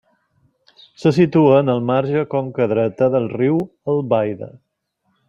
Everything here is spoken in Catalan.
Se situa en el marge conca dreta del riu Albaida.